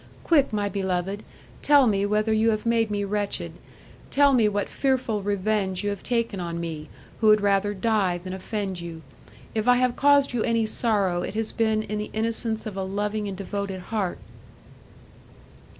Quick, my beloved, tell me whether you have made me wretched. Tell me what fearful revenge you have taken on me, who would rather die than offend you. If I have caused you any sorrow, it has been in the innocence of a loving and devoted heart."